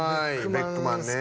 ベックマンね。